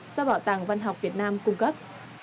do bảo tàng văn học việt nam cung cấp